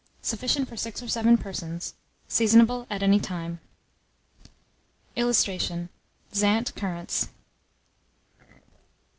Sufficient for 6 or 7 persons. Seasonable at any time. [Illustration: ZANTE CURRANTS.